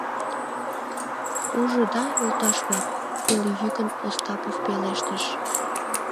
— Ужыда, йолташ-влак? — пелйӱкын Остапов пелештыш.